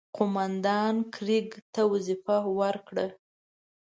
قوماندان کرېګ ته وظیفه ورکړه.